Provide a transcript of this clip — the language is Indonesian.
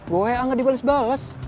gue kayaknya gak dibales bales